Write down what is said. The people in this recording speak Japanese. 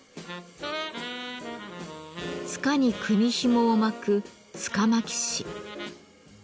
柄に組みひもを巻く「柄巻師」。